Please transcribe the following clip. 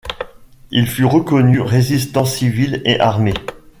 Il fut reconnu résistant civil et armé.